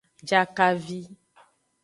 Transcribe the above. Jakavi.